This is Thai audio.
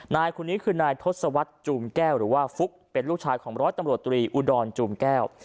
นายคนนี้คือนายทศวรรษจูมแก้วหรือว่าฟุ๊กเป็นลูกชายของร้อยตำรวจตรีอุดรจูมแก้ว